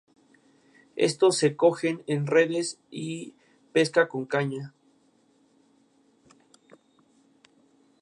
No es necesaria la realización de una tesis de grado.